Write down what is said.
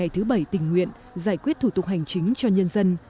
thứ bảy tình nguyện giải quyết thủ tục hành chính cho nhân dân